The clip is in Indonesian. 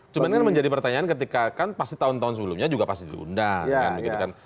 cuma kan menjadi pertanyaan ketika kan pasti tahun tahun sebelumnya juga pasti diundang